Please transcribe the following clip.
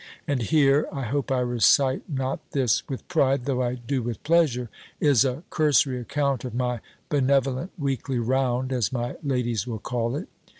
And here (I hope I recite not this with pride, though I do with pleasure) is a cursory account of my benevolent weekly round, as my ladies will call it.